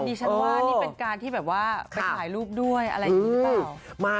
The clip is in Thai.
ดิฉันว่านี่เป็นการที่แบบว่าไปถ่ายรูปด้วยอะไรอย่างนี้หรือเปล่า